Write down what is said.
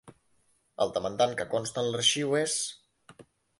El demandant que consta en l'arxiu és...